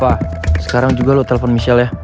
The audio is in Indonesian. pa sekarang juga lo telfon michelle ya